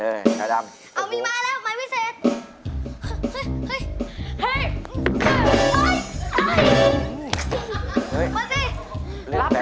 เอ๊ะมีมายแล้วไมสัญ